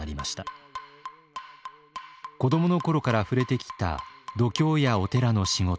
子どもの頃から触れてきた読経やお寺の仕事。